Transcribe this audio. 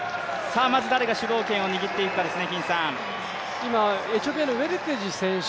さあ、誰が主導権を握っていくかですね。